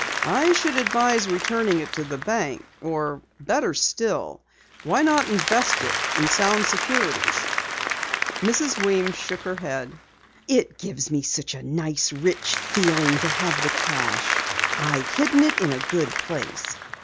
"I should advise returning it to the bank, or better still, why not invest it in sound securities?" Mrs. Weems shook her head. "It gives me a nice rich feeling to have the cash. I've hidden it in a good place."